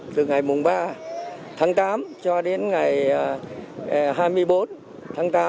từ ngày ba tháng tám cho đến ngày hai mươi bốn tháng tám